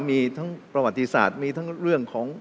มีทั้งประวัติศาสตร์มีทั้งเรื่องของ